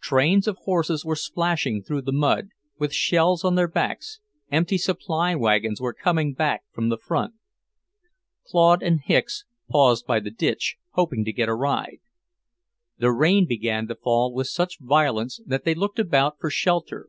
Trains of horses were splashing through the mud, with shells on their backs, empty supply wagons were coming back from the front. Claude and Hicks paused by the ditch, hoping to get a ride. The rain began to fall with such violence that they looked about for shelter.